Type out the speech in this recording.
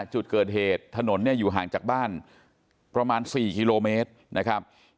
จุดเกิดเหตุถนนเนี่ยอยู่ห่างจากบ้านประมาณ๔กิโลเมตรนะครับ